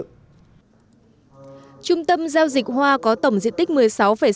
trung tâm giao dịch hoa có tổng diện tích